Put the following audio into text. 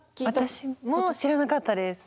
私も知らなかったです。